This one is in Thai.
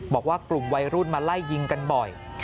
บอกว่ากลุ่มวัยรุ่นมาไล่ยิงกันบ่อย